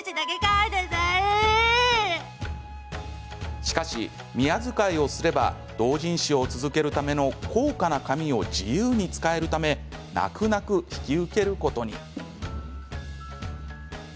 しかし、宮仕えをすれば同人誌を続けるための高価な紙を自由に使えるため泣く泣く引き受けることに。